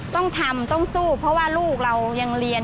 ต้องทำต้องสู้เพราะว่าลูกเรายังเรียน